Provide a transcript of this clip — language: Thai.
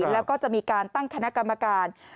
แล้วก็จะมีการตั้งคณะกรรมการ